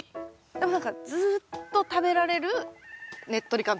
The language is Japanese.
でも何かずと食べられるねっとり感と甘さ。